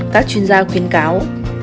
các chuyên gia khuyên cáo